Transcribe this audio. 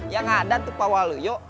yang ada untuk pak walu yo